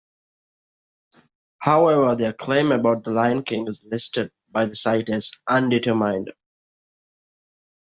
However, their claim about "The Lion King" is listed by the site as "undetermined".